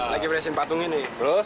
lagi beresin patung ini